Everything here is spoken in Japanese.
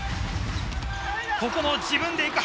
ここも自分で行く。